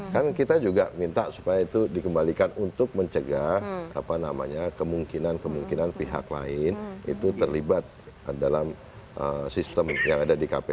kan kita juga minta supaya itu dikembalikan untuk mencegah kemungkinan kemungkinan pihak lain itu terlibat dalam sistem yang ada di kpk